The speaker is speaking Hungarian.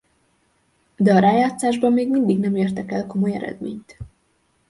De a rájátszásban még mindig nem értek el komoly eredményt.